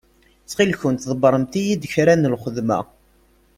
Ttxil-kent ḍebbṛemt-iyi-d kra n lxedma.